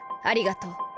ありがとう。